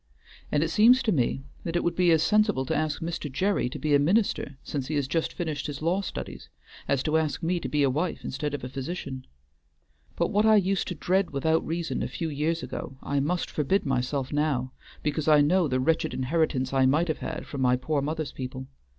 And it seems to me that it would be as sensible to ask Mr. Gerry to be a minister since he has just finished his law studies, as to ask me to be a wife instead of a physician. But what I used to dread without reason a few years ago, I must forbid myself now, because I know the wretched inheritance I might have had from my poor mother's people.